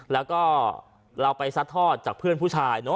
แล้วก็เราไปทอดจากเพื่อนผู้ชาย